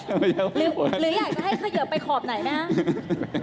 หรืออยากจะให้เขยิบไปขอบไหนไหมคะ